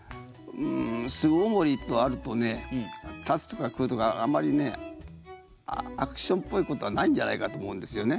「簾隠り」とあるとね「立つ」とか「食ふ」とかあんまりねアクションっぽいことはないんじゃないかと思うんですよね。